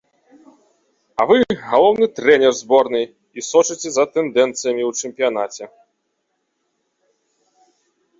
А вы галоўны трэнер зборнай і сочыце за тэндэнцыямі ў чэмпіянаце.